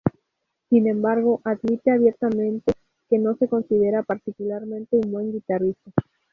Sin embargo, admite abiertamente que no se considera particularmente un buen guitarrista.